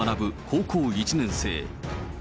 高校１年生。